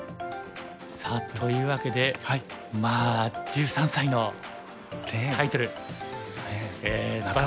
さあというわけでまあ１３歳のタイトルすばらしいですね。